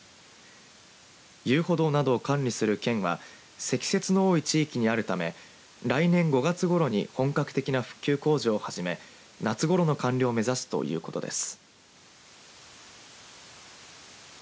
遊歩道などを管理する県は積雪の多い地域にあるため来年５月ごろに本格的な復旧工事を始め夏ごろの完了を目指すということです。